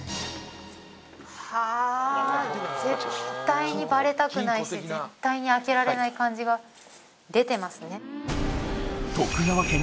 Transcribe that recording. はあ絶対にバレたくないし絶対に開けられない感じが出てますね。